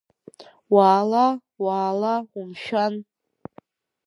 Уаала, уаала, умшәан.